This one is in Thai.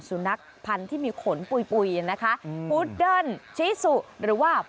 สุนักพันธุ์ที่มีขนปุ่ยนะคะหุดเดิ้นชีสุหรือว่า